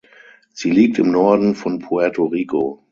Sie liegt im Norden von Puerto Rico.